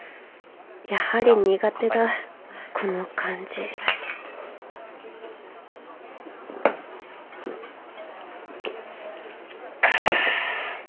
やはり苦手だこの感じあ。